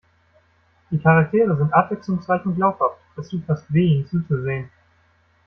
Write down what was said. Die Charaktere sind abwechslungsreich und glaubhaft. Es tut fast weh, ihnen zuzusehen.